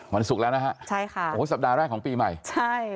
ศุกร์แล้วนะฮะใช่ค่ะโอ้โหสัปดาห์แรกของปีใหม่ใช่